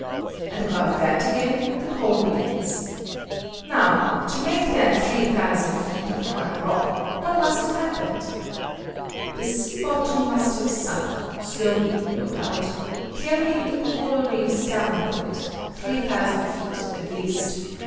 And above that again the coal begins. Now to make that 3000 feet of hard rock, what must have happened? The sea bottom must have sunk, slowly no doubt, carrying the coral reefs down with it, 3000 feet at least.